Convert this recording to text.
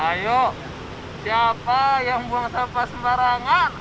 ayo siapa yang buang sampah sembarangan